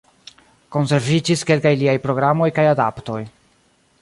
Konserviĝis kelkaj liaj programoj kaj adaptoj.